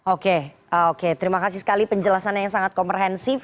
oke terima kasih sekali penjelasannya yang sangat komprehensif